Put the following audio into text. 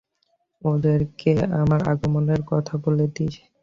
ওদেরকে আমার আগমনের কথা বলে দিস!